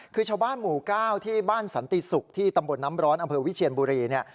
คือชาวบ้านหมู่ก้าวที่บ้านสันติศุกร์ที่ตำบลน้ำร้อนอำเภอวิเชียนบุรีเนี่ย